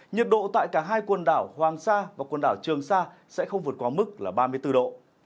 nhiệt độ tại cả hai quần đảo hoàng sa và quần đảo trường sa sẽ không vượt qua mức là ba mươi bốn độ